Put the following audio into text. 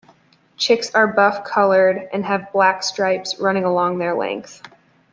Chicks are buff coloured and have black stripes running along their length.